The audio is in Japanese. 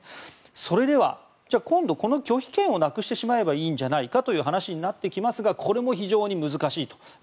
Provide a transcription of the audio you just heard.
それでは今度この拒否権をなくしてしまえばいいんじゃないかという話になってきますがこれも非常に難しいと。